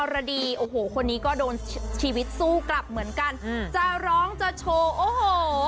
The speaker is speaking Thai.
รดีโอ้โหคนนี้ก็โดนชีวิตสู้กลับเหมือนกันจะร้องจะโชว์โอ้โห